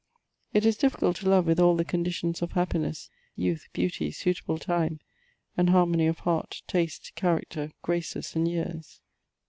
It is difficult to love with all the conditions of happiness, youth, beauty, suitable time, and harmony of heart, taste, character, graces, and years.